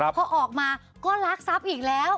พอออกมาก็รักทรัพย์อีกแล้ว